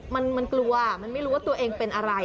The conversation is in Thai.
มันกลัวมันไม่รู้ว่าตัวเองเป็นอะไร